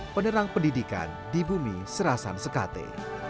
penerang pendidikan di bumi serasan sekate